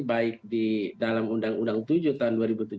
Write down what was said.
baik di dalam undang undang tujuh tahun dua ribu tujuh belas